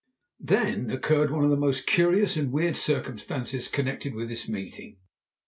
Then occurred one of the most curious and weird circumstances connected with this meeting.